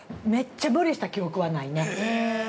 めっちゃ無理した記憶はないね。